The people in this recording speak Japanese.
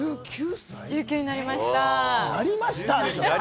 １９になりました。